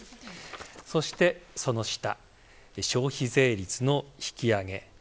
そして、消費税率の引き上げ。